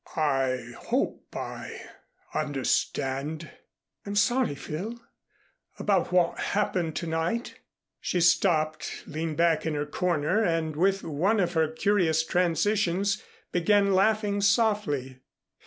"I hope I understand " "I'm sorry, Phil, about what happened to night." She stopped, leaned back in her corner and, with one of her curious transitions, began laughing softly.